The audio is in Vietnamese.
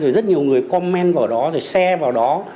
rồi rất nhiều người comment vào đó rồi share vào đó